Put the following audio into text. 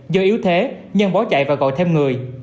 do yếu thế nhân bỏ chạy và gọi thêm người